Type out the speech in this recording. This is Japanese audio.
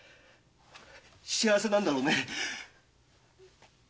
幸せなんだろうね。